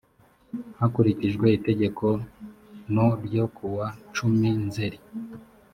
hakurikijwe itegeko no ryo kuwa cumi nzeri